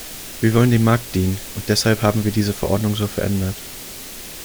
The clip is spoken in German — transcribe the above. Wir wollen dem Markt dienen, und deshalb haben wir diese Verordnung so verändert.